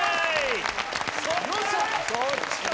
そっちか！